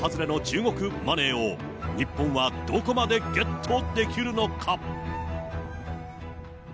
その桁外れの中国マネーを、日本はどこまでゲットできるのか。